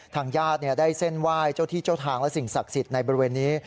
ทางญาติได้เส้นไหว้เจ้าที่เจ้าทางและสิ่งศักดิ์สิทธิ์ในบริเวณนี้